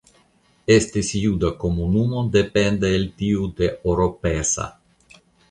Estis juda komunumo dependa el tiu de Oropesa.